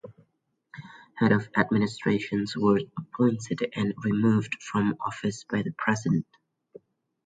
Heads of administrations were appointed and removed from office by the president.